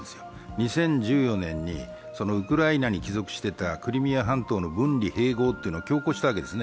２０１４年にウクライナに帰属していたクリミア半島の分離、強行したわけですね。